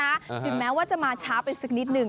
อย่างแม้จะมาช้าไปซึ่งนิดนึง